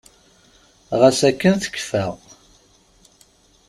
Ɣas akken tekkfa.